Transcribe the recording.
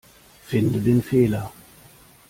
Finde den Fehler.